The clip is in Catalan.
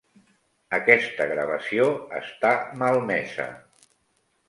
Aquesta gravació està malmesa.